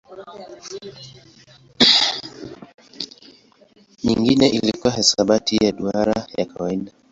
Nyingine ilikuwa hisabati ya duara ya kawaida.